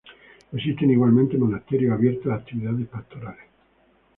Existen igualmente monasterios abiertos a actividades pastorales.